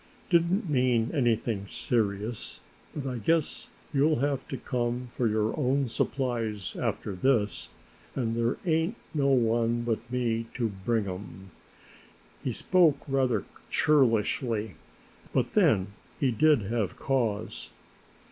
Didn't mean anything serious but I guess you'll have to come for your own supplies after this as there ain't no one but me to bring 'em." He spoke rather churlishly, but then he did have cause.